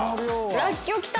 らっきょう来た！